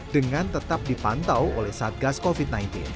dengan tetap dipantau oleh satgas covid sembilan belas